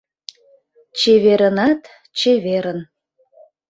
ЧЕВЕРЫНАТ-ЧЕВЕРЫН...